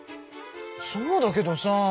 そうだけどさ。